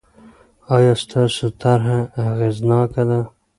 آیا ستاسو طرحه اغېزناکه ده؟